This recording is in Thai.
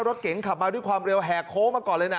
รถเก๋งขับมาด้วยความเร็วแหกโค้งมาก่อนเลยนะ